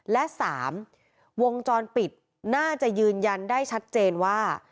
และ๓วงจรปิดน่าจะยืนยันได้ชัดเจนว่า